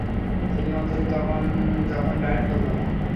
শুধুমাত্র তখন যখন ডায়েট করব না!